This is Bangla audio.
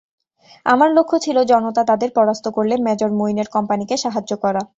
আমার লক্ষ্য ছিল জনতা তাদের পরাস্ত করলে মেজর মঈনের কোম্পানিকে সাহায্য করা।